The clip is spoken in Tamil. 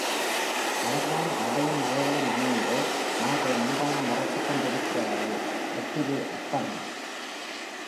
அவர்தான் ஆடையும் நகைகளும் அணிந்து மார்பை நன்றாக மறைத்துக் கொண்டிருக்கிறாகே ஒப்பிலி, அப்பனாம்.